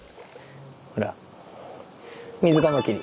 ほらミズカマキリ。